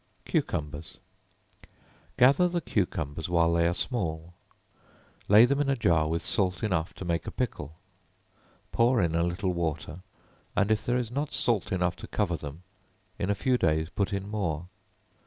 Cucumbers. Gather the cucumbers while they are small, lay them in a jar with salt enough to make a pickle; pour in a little water, and if there is not salt enough to cover them, in a few days put in more.